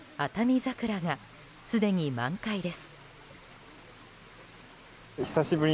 桜が、すでに満開です。